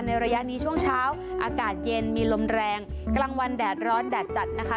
ระยะนี้ช่วงเช้าอากาศเย็นมีลมแรงกลางวันแดดร้อนแดดจัดนะคะ